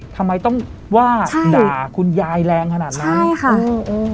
ทำไมต้องว่าด่าคุณยายแรงขนาดนั้นใช่ค่ะ